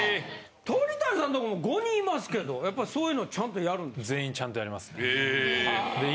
鳥谷さんとこも５人いますけどやっぱそういうのちゃんとやるんですか？